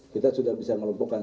kita sudah bisa melompokkan